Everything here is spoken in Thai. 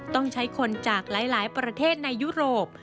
ต้องใช้คนจากหลายประเทศในยุโรป